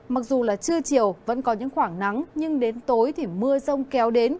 mặc dù là trưa chiều vẫn có những khoảng nắng nhưng đến tối thì mưa rông kéo đến